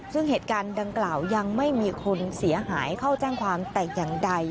ซึ่งเหตุการณ์ดังกล่าวยังไม่มีคนเสียหายเข้าแจ้งความแต่อย่างใด